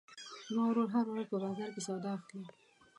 زما ورور هره ورځ په بازار کې سودا اخلي.